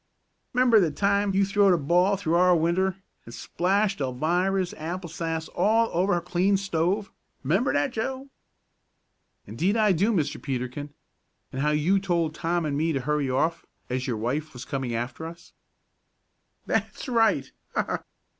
Ha! 'Member th' time you throwed a ball through our winder, and splashed Alvirah's apple sass all over her clean stove? 'Member that, Joe?" "Indeed I do, Mr. Peterkin. And how you told Tom and me to hurry off, as your wife was coming after us." "That's right!